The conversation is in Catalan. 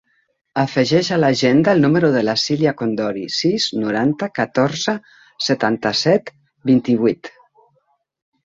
Afegeix a l'agenda el número de la Silya Condori: sis, noranta, catorze, setanta-set, vint-i-vuit.